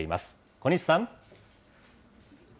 小西さん。